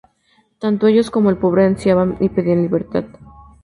Tanto ellos como el pobre ansiaban y pedían libertad.